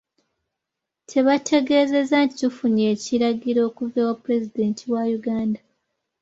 Tubategeezezza nti tufunye ekiragiro okuva ewa Pulezidenti wa Uganda.